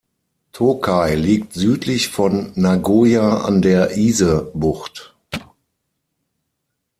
Tōkai liegt südlich von Nagoya an der Ise-Bucht.